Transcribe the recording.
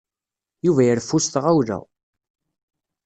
Yuba ireffu s tɣawla.